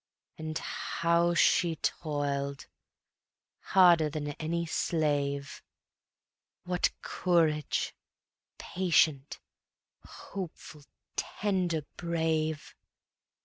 And how she toiled! Harder than any slave, What courage! patient, hopeful, tender, brave.